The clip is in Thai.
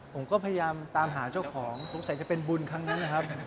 ผมก็พยายามตามหาเจ้าของสงสัยจะเป็นบุญครั้งนั้นนะครับ